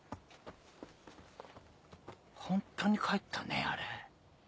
ホントに帰ったねあれ。